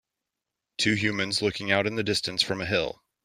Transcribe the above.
Two humans looking out in the distance from a hill.